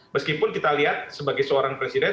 meskipun kita lihat sebagai seorang presiden